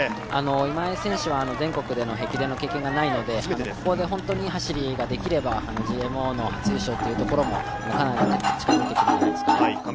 今江選手は全国での駅伝の経験がないのでここで本当にいい走りができればＧＭＯの初優勝というところもかなりグッと近づいてくるんじゃないですかね。